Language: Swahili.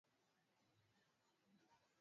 Ni pwani inayoelekea kisiwa cha zanzibar